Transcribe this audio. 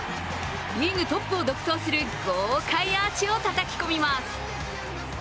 リーグトップを独走する豪快アーチをたたき込みます。